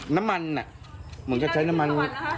น้ำมันเหมือนกับใช้น้ำมัน